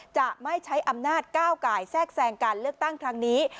จะไม่ใช้อำนาจก้าวกายแทรกแทรงการเลือกตั้งครั้งนี้